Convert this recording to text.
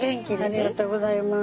ありがとうございます。